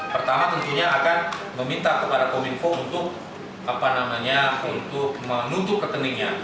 pertama tentunya akan meminta kepada pominfo untuk apa namanya untuk menutup rekeningnya